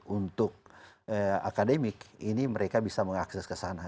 untuk akademik ini mereka bisa mengakses ke sana